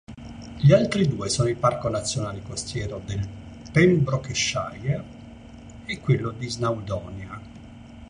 Gli altri due sono il Parco nazionale costiero del Pembrokeshire e quello di Snowdonia.